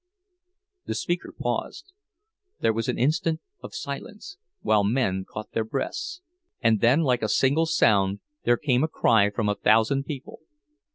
The speaker paused. There was an instant of silence, while men caught their breaths, and then like a single sound there came a cry from a thousand people.